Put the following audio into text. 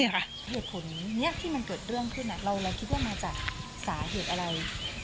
เหตุผลนี้ที่มันเกิดเรื่องขึ้นเราคิดว่ามาจากสาเหตุอะไร